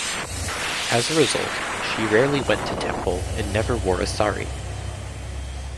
As a result, she rarely went to temple and never wore a sari.